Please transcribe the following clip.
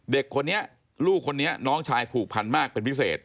เด็กคนนี้ลูกคนนี้น้องชายผูกพันมากเป็นพิเศษ